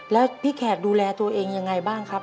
แล้วพี่แขกดูแลตัวเองยังไงบ้างครับ